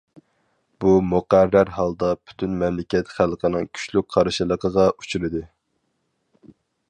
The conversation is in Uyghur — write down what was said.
بۇ مۇقەررەر ھالدا پۈتۈن مەملىكەت خەلقىنىڭ كۈچلۈك قارشىلىقىغا ئۇچرىدى.